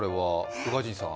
宇賀神さん